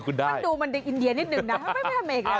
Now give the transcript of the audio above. ฟังดูมันดิกอินเดียนิดนึงนะ